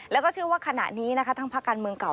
แล้วก็เชื่อว่าขณะนี้นะคะทั้งภาคการเมืองเก่า